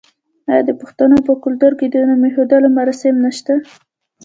آیا د پښتنو په کلتور کې د نوم ایښودلو مراسم نشته؟